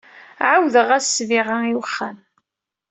Ɛawdeɣ-as ssbiɣa i wexxam.